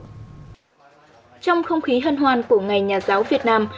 trong không khí hân hoan của ngày nhà giáo việt nam